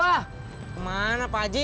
akhirnya kita audiences